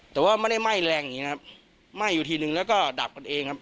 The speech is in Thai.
แต่ว่าไม่ได้ไหม้แรงอย่างนี้นะครับไหม้อยู่ทีนึงแล้วก็ดับกันเองครับ